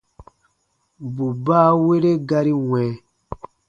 Bù baawere gari wɛ̃.